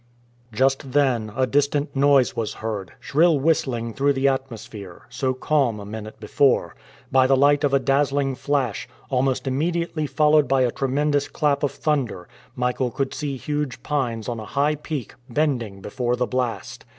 Just then a distant noise was heard, shrill whistling through the atmosphere, so calm a minute before. By the light of a dazzling flash, almost immediately followed by a tremendous clap of thunder, Michael could see huge pines on a high peak, bending before the blast.